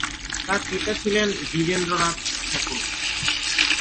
তাঁর পিতা ছিলেন দ্বিজেন্দ্রনাথ ঠাকুর।